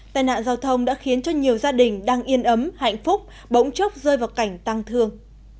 tai nạn giao thông đã khiến cho nhiều gia đình đang yên ấm hạnh phúc bỗng chốc rơi vào cảnh tăng thương